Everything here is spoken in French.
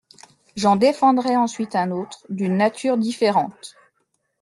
J’en défendrai ensuite un autre, d’une nature différente.